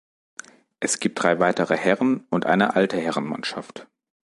Es gibt drei weitere Herren- und eine Alte-Herren-Mannschaft.